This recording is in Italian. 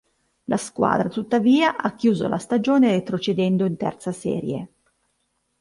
La squadra, tuttavia, ha chiuso la stagione retrocedendo in terza serie.